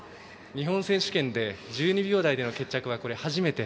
日本選手権で１２秒台での決着は初めて。